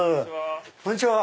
こんにちは。